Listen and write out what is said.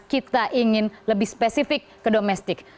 kita ingin lebih spesifik ke domestik